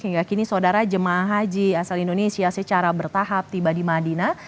hingga kini saudara jemaah haji asal indonesia secara bertahap tiba di madinah